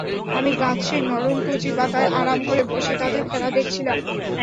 আমি গাছের নরম কচি পাতায় আরাম করে বসে তাদের খেলা দেখছিলাম।